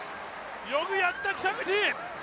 よくやった北口！